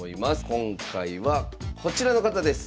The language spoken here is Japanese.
今回はこちらの方です。